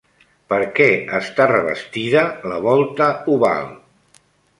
Per què està revestida la volta oval?